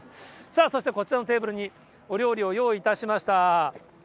さあそして、こちらのテーブルにお料理を用意いたしました。